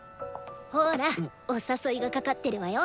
ほらお誘いがかかってるわよ。